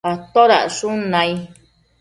atodacshun nai?